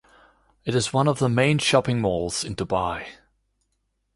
It is one of the main shopping malls in Dubai.